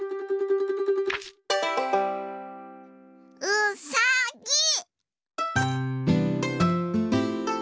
うさぎ。